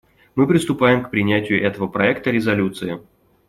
Мы приступаем к принятию этого проекта резолюции.